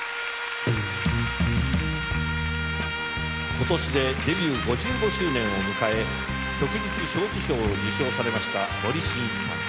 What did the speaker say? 今年でデビュー５５周年を迎え旭日小綬章を受章されました森進一さん。